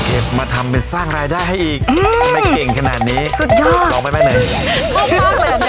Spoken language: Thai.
เก็บมาทำเป็นสร้างรายได้ให้อีกอือไม่เก่งขนาดนี้สุดยอด